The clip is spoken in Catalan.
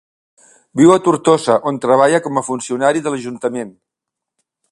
Viu a Tortosa, on treballa com a funcionari de l'ajuntament.